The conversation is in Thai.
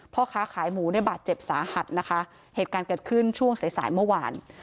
พ่อค้าขายหมูในบาดเจ็บสาหัสนะคะเหตุการณ์เกิดขึ้นช่วงสายสายเมื่อวาน